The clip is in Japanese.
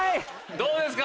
どうですか？